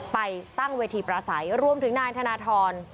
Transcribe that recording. ไปตั้งเวทีประสัยรวมถึงนายธนทร